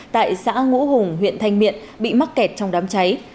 tại xã ngũ hùng huyện thanh miện bị mắc kẹt trong đám cháy